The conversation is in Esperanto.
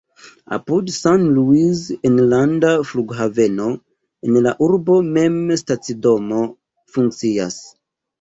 Apud San Luis enlanda flughaveno, en la urbo mem stacidomoj funkcias.